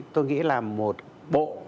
tôi nghĩ là một bộ